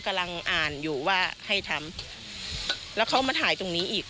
กำลังอ่านอยู่ว่าให้ทำแล้วเขามาถ่ายตรงนี้อีก